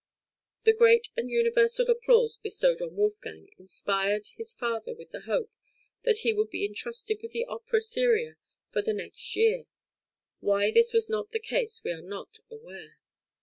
The great and universal applause bestowed on Wolfgang inspired his father with the hope that he would be intrusted {WORKS IN GERMANY.} (152) with the opera seria for the next year; why this was not the case we are not aware.